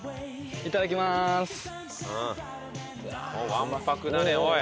わんぱくだねおい。